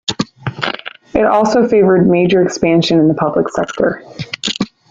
It also favoured major expansion in the public sector.